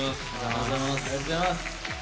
ありがとうございます。